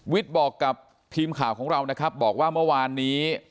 บอกกับทีมข่าวของเรานะครับบอกว่าเมื่อวานนี้